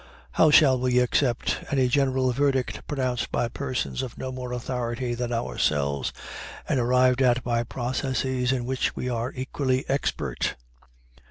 How shall we accept any general verdict pronounced by persons of no more authority than ourselves, and arrived at by processes in which we are equally expert?